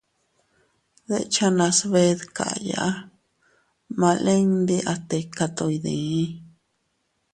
Dechenas bee dkaya ma lin ndi a tika to iydii.